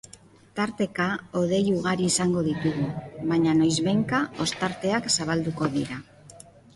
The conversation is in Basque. Tarteka, hodei ugari izango ditugu, baina noizbehinka ostarteak zabalduko dira.